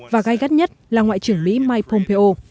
và nhất nhất là ngoại trưởng mỹ mike pompeo